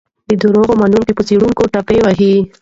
د دروغو منونکي په څېړونکو ټاپې وهي.